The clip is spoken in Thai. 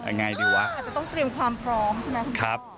จะต้องเตรียมความพร้อมคุณพ่อ